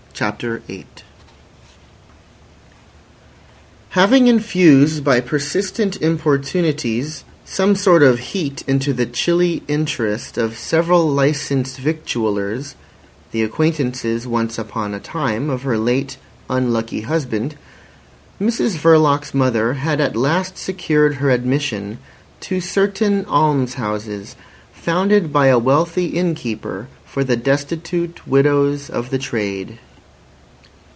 CHAPTER VIII Having infused by persistent importunities some sort of heat into the chilly interest of several licensed victuallers (the acquaintances once upon a time of her late unlucky husband), Mrs Verloc's mother had at last secured her admission to certain almshouses founded by a wealthy innkeeper for the destitute widows of the trade.